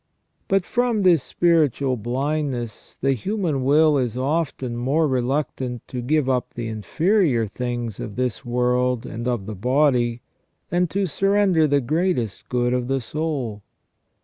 But fi om this spiritual blindness the human will is often more reluctant to give up the inferior things of this world and of the body, than to surrender the greatest good of the soul.